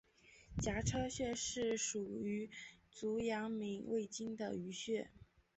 颊车穴是属于足阳明胃经的腧穴。